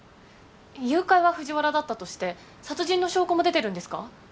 誘拐は藤原だったとして殺人の証拠も出てるんですか？